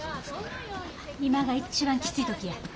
今が一番きつい時や。